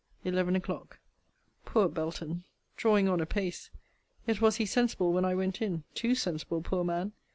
ELEVEN O'CLOCK. Poor Belton! Drawing on apace! Yet was he sensible when I went in too sensible, poor man!